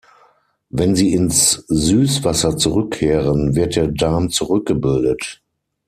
Wenn sie ins Süßwasser zurückkehren, wird der Darm zurückgebildet.